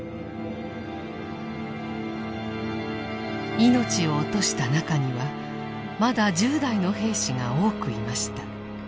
命を落とした中にはまだ１０代の兵士が多くいました。